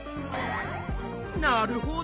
なるほど！